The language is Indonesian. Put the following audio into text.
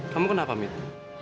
kamu kenapa mit